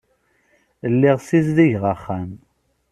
Lliɣ ssizdigeɣ axxam.